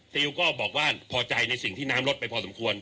ซิลก็บอกว่าพอใจในสิ่งที่น้ำลดไปพอสมควร